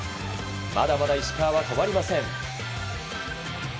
まだまだ石川は止まりません。